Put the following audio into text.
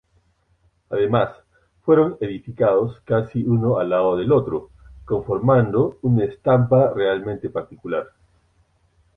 Además fueron edificados casi uno al lado del otro, conformando una estampa realmente particular.